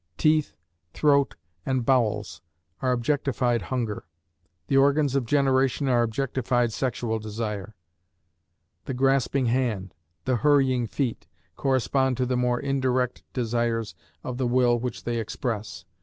Teeth, throat, and bowels are objectified hunger; the organs of generation are objectified sexual desire; the grasping hand, the hurrying feet, correspond to the more indirect desires of the will which they express.